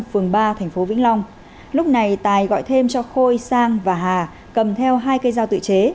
phường ba thành phố vĩnh long lúc này tài gọi thêm cho khôi sang và hà cầm theo hai cây dao tự chế